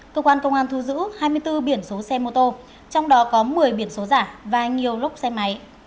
cơ quan công an thu giữ hai mươi bốn biển số xe mô tô trong đó có một mươi biển số giả và nhiều lúc xe máy